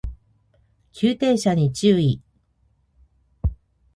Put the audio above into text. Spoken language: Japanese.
急停車に注意